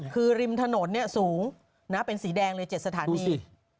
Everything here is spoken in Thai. คือริมถนนสูงเป็นสีแดงเลย๗สถานี